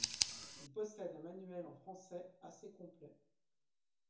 Il possède un manuel en français assez complet.